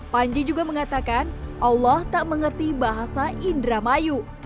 panji juga mengatakan allah tak mengerti bahasa indramayu